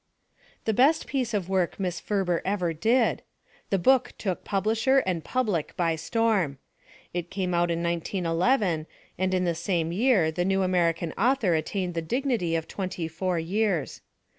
The best piece of work Mrs. Ferber ever did ! The book took publisher and public by storm. It came out in 1911 and in the same year the new American author attained the dignity of twenty four years.